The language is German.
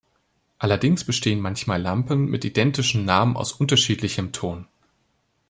Allerdings bestehen manchmal Lampen mit identischen Namen aus unterschiedlichem Ton.